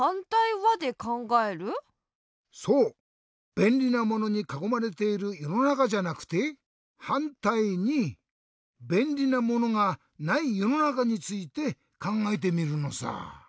べんりなものにかこまれているよのなかじゃなくてはんたいにべんりなものがないよのなかについてかんがえてみるのさ。